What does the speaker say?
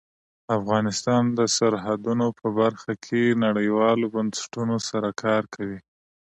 افغانستان د سرحدونه په برخه کې نړیوالو بنسټونو سره کار کوي.